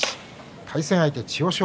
対戦相手は千代翔